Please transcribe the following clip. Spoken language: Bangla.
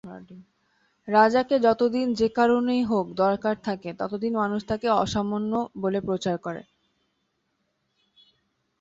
রাজাকে যতদিন যে কারণেই হোক দরকার থাকে ততদিন মানুষ তাকে অসামান্য বলে প্রচার করে।